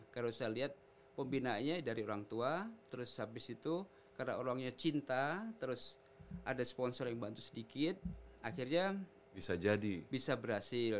kalau saya lihat pembinaannya dari orang tua terus habis itu karena orangnya cinta terus ada sponsor yang bantu sedikit akhirnya bisa berhasil